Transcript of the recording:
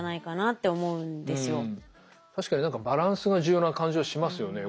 確かに何かバランスが重要な感じはしますよね。